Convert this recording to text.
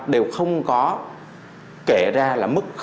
đều không có kể ra là mức